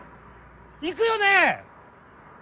行くよね？